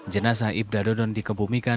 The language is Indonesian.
jenazah ibda dodon dikebumikan